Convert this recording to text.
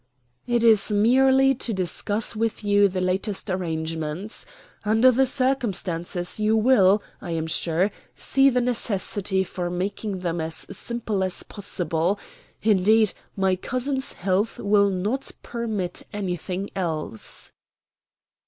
"It is merely to discuss with you the last arrangements. Under the circumstances you will, I am sure, see the necessity for making them as simple as possible indeed, my cousin's health will not permit anything else."